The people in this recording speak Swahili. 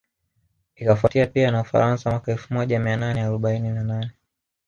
Ikafuatia pia na Ufaransa mwaka elfu moja mia nane arobaini na nne